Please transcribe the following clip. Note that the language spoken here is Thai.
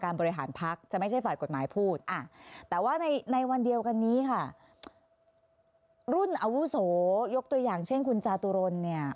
รบตัวอย่างเช่นคุณจาตุรนส์เนี่ย